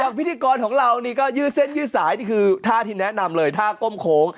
พิธีกรของเรานี่ก็ยืดเส้นยืดสายนี่คือท่าที่แนะนำเลยท่าก้มโค้ง